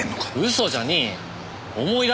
嘘じゃねえよ。